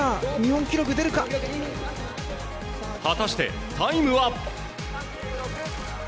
果たしてタイムは？